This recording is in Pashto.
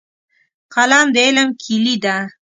قلم د علم کیلي ده.